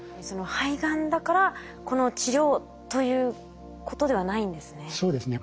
肺がんだからこの治療ということではないんですね。